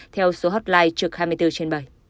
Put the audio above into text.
theo số hotline trực hai mươi bốn trên bảy